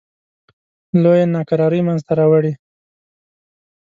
لویې ناکرارۍ منځته راوړې.